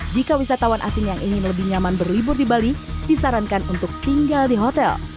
jika wisatawan asing yang ingin lebih nyaman berlibur di bali disarankan untuk tinggal di hotel